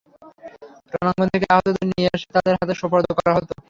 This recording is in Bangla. রণাঙ্গন থেকে আহতদের নিয়ে এসে তাদের হাতে সোপর্দ করা হত।